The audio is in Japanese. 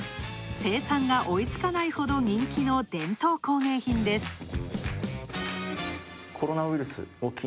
生産が追いつかないほど人気の伝統工芸品です。